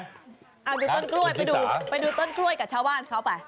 ไปดูต้นกล้วยกับชาวบ้านเขาไป